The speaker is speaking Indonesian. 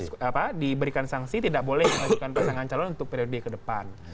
tidak boleh diberikan sanksi tidak boleh mengajukan pasangan calon untuk periode kedepan